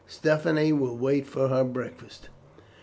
Stephanie will wait for her breakfast."